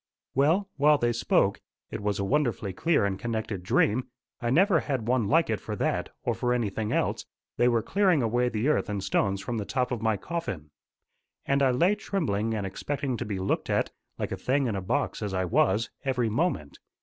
Well, while they spoke it was a wonderfully clear and connected dream: I never had one like it for that, or for anything else they were clearing away the earth and stones from the top of my coffin. And I lay trembling and expecting to be looked at, like a thing in a box as I was, every moment.